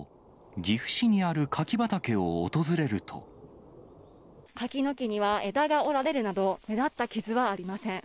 きょう、柿の木には、枝が折られるなど、目立った傷はありません。